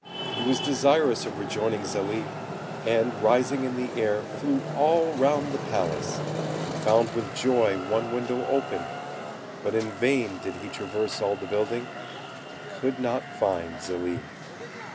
He was desirous of rejoining Zélie; and rising in the air, flew all round the palace, and found with joy one window open; but in vain did he traverse all the building he could not find Zélie.